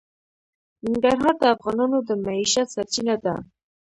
ننګرهار د افغانانو د معیشت سرچینه ده.